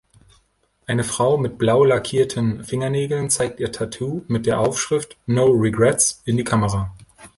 Eine Frau mit blau lackierten Fingernägeln zeigt ihr Tattoo mit der Aufschrift „No regrets“ in die Kamera.